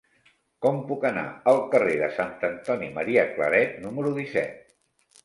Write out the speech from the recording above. Com puc anar al carrer de Sant Antoni Maria Claret número disset?